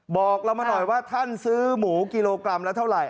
บอกเรามาหน่อยว่าท่านซื้อหมูกิโลกรัมละเท่าไหร